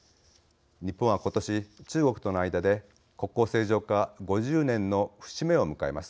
日本はことし中国との間で国交正常化５０年の節目を迎えます。